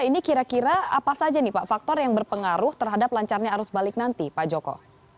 ini kira kira apa saja nih pak faktor yang berpengaruh terhadap lancarnya arus balik nanti pak joko